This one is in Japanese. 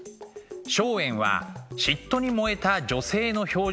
松園は嫉妬に燃えた女性の表情を描く